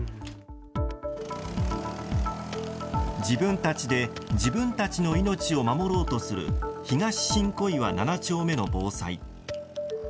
自分たちで自分たちの命を守ろうとする東新小岩７丁目の防災。